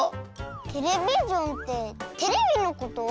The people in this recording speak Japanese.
テレビジョンってテレビのこと？